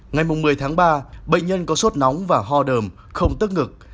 ngày một mươi tháng ba bệnh nhân có sốt nóng và ho đờm không tức ngực